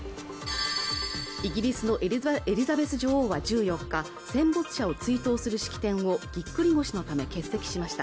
イギリスのエリザベス女王は１４日戦没者を追悼する式典をぎっくり腰のため欠席しました